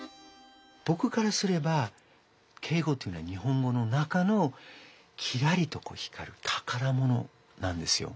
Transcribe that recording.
ぼくからすれば敬語っていうのは日本語の中のきらりと光る宝物なんですよ。